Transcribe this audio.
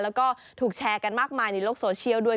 แล้วก็ถูกแชร์กันมากมายในโลกโซเชียลด้วย